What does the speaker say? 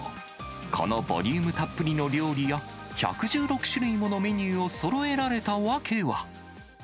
このボリュームたっぷりの料理や１１６種類ものメニューをそろえられた訳は。